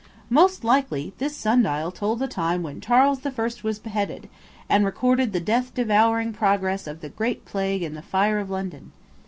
"Most likely this sundial told the time when Charles the First was beheaded, and recorded the death devouring progress of the Great Plague and the Fire of London.